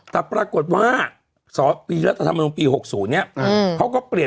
แต่ปรากฏว่าปี๖๐เขาก็เปลี่ยน